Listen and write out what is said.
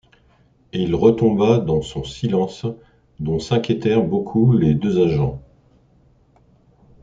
Et il retomba dans son silence, dont s’inquiétèrent beaucoup les deux agents.